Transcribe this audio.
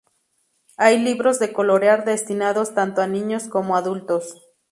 Hay libros de colorear destinados tanto a niños como adultos.